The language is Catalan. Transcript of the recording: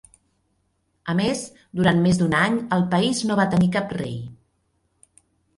A més, durant més d'un any el país no va tenir cap rei.